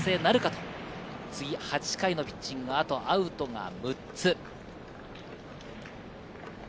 次は８回のピッチング、アウトが６つ。